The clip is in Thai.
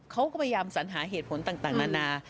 เขาก็พยายามสัญหาเหตุผลต่างนานา